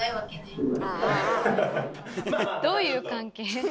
どういう関係？